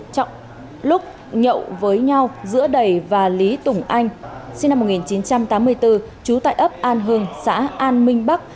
trọng lúc nhậu với nhau giữa đầy và lý tùng anh sinh năm một nghìn chín trăm tám mươi bốn trú tại ấp an hưng xã an minh bắc